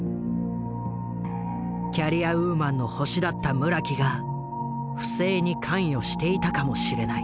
キャリアウーマンの星だった村木が不正に関与していたかもしれない。